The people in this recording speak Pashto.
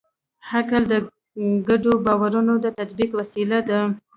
عقل د ګډو باورونو د تطبیق وسیله ده.